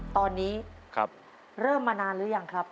ตอนนี้เริ่มมานานหรือยังครับ